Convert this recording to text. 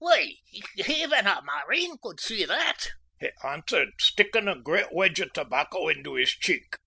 "Why, even a marine could see that," he answered, sticking a great wedge of tobacco into his cheek.